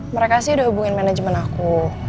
mereka sih udah hubungin manajemen aku